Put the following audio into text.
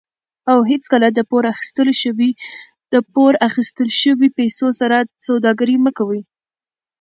او هیڅکله د پور اخیستل شوي پیسو سره سوداګري مه کوئ.